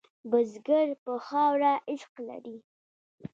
بزګر په خاوره عشق لري